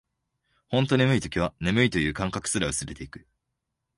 ほんと眠い時は、眠いという感覚すら薄れていく